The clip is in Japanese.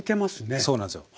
そうなんですよ。